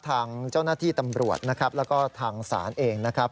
ทางเจ้าหน้าที่ตำรวจนะครับแล้วก็ทางศาลเองนะครับ